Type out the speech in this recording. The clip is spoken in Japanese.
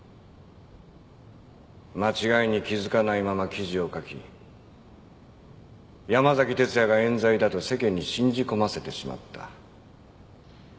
間違いに気づかないまま記事を書き山崎哲也が冤罪だと世間に信じ込ませてしまった。